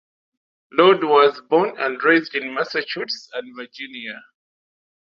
Lord was born and raised in Massachusetts and Virginia.